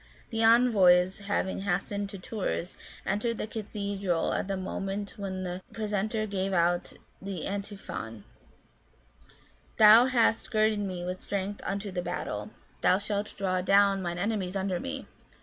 The envoys having hastened to Tours, entered the cathedral at the moment when the Precentor gave out the Antiphon :" Thou hast girded me with strength unto the battle : thou shalt throw down mine enemies under me.